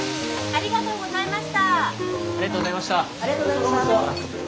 ありがとうございます。